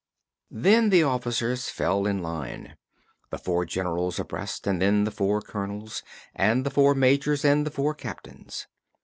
Then the officers fell in line, the four Generals abreast and then the four Colonels and the four Majors and the four Captains.